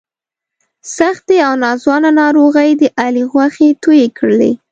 سختې او ناځوانه ناروغۍ د علي غوښې تویې کړلې.